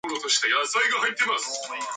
She is a former Career Guidance Counsellor.